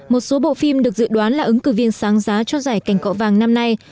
một số bộ phim được dự đoán là ứng cử viên sáng giá cho giải cảnh cọ vàng năm nay